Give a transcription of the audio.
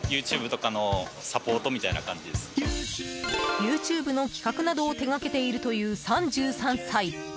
ＹｏｕＴｕｂｅの企画などを手掛けているという３３歳。